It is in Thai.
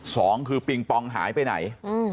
สองคือปิงปองหายไปไหน